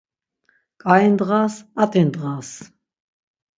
Ǩai ndğas, p̌at̆i ndğas.